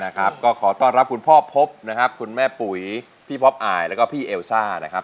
นะครับก็ขอต้อนรับคุณพ่อพบนะครับคุณแม่ปุ๋ยพี่พบอายแล้วก็พี่เอลซ่านะครับ